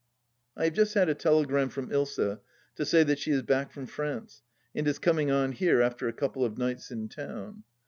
... I have just had a telegram from Ilsa to say that she is back from France and is coming on here after a couple of nights in town.